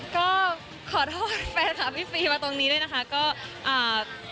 ก็ขอโทษแฟนคลับพี่ฟรีมาตรงนี้ด้วยนะคะก็อ่า